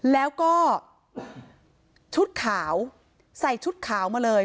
แล้วก็ชุดขาวใส่ชุดขาวมาเลย